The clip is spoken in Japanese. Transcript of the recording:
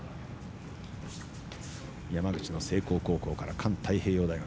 山口の聖光高校から環太平洋大学